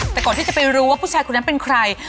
แต่ก่อนที่จะไปรู้ว่าผู้ชายคนนั้นเป็นใคร